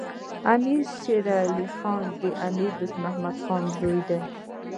امیر شیر علی خان د امیر دوست محمد خان زوی دی.